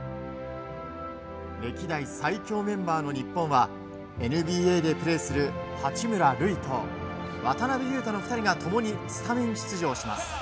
歴代最強メンバーの日本はＮＢＡでプレーする八村塁と渡邊雄太の２人が共にスタメン出場します。